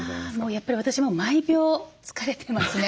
やっぱり私も毎秒疲れてますね。